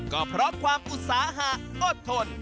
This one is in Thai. ก็เพราะความอุตสาหะอดทน